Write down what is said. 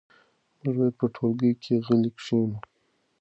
موږ باید په ټولګي کې غلي کښېنو.